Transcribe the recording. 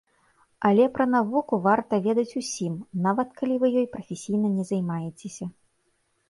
Але пра навуку варта ведаць усім, нават калі вы ёй прафесійна не займаецеся.